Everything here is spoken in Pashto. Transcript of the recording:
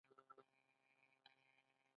خوشالي د درناوي نښه ده.